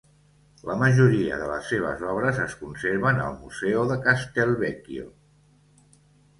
La majoria de les seves obres es conserven al Museu de Castelvecchio.